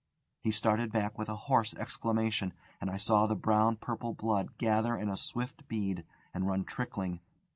He started back with a hoarse exclamation, and I saw the brown purple blood gather in a swift bead, and run trickling.